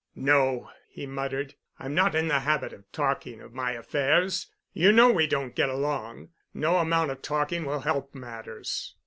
"No," he muttered, "I'm not in the habit of talking of my affairs. You know we don't get along. No amount of talking will help matters."